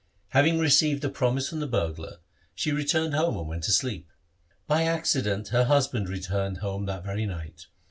Having received a promise from the burglar, she returned home and went to sleep. By accident her husband returned home that very night.